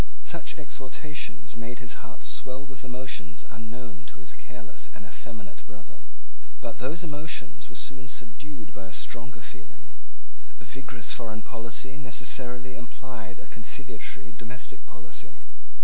Such exhortations made his heart swell with emotions unknown to his careless and effeminate brother. But those emotions were soon subdued by a stronger feeling. A vigorous foreign policy necessarily implied a conciliatory domestic policy.